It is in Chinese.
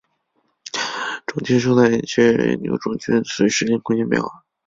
种群生态学研究种群的随时间和空间的变化。